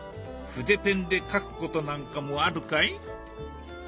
筆ペンで描くことなんかもあるかい？